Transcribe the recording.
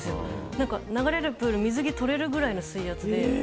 なんか流れるプール、水着取れるぐらいの水圧で。